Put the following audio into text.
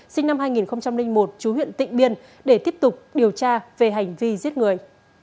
sinh năm hai nghìn một chú huyện tịnh biên để tiếp tục điều tra về hành vi giết người